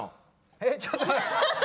えっちょっと。